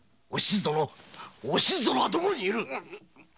おしず殿はどこに居る！